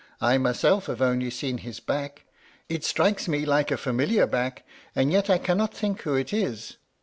I myself have only seen his back. It strikes me like a familiar back, and yet I cannot think who it is.